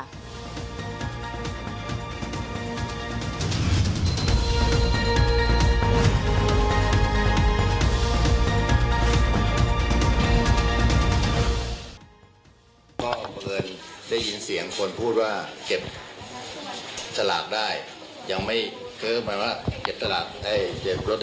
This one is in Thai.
พอเผลอได้ยินเสียงคนพูดว่าเก็บสลากได้ยังไม่เกิบมาว่าเก็บสลากให้เจ็บ